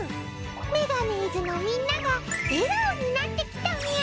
メガネーズのみんなが笑顔になってきたみゃ。